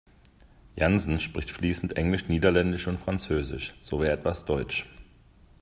Janssen spricht fließend Englisch, Niederländisch und Französisch sowie etwas Deutsch.